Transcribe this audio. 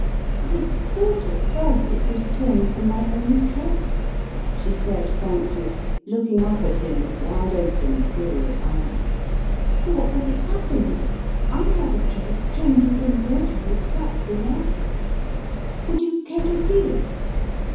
"I thought at first it was torn from my own dress/ 5 she said frankly, looking up at him with wide open, serious eyes, "for as it happens I have a dress trim med with embroidery exactly like it. Would you care to see it?